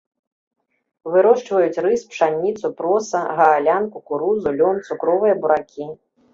Вырошчваюць рыс, пшаніцу, проса, гаалян, кукурузу, лён, цукровыя буракі.